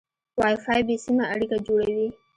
وای فای بې سیمه اړیکه جوړوي.